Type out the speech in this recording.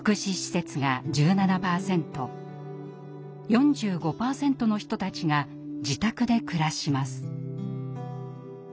４５％の人たちが自宅で暮らします。